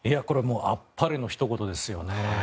これはあっぱれのひと言ですよね。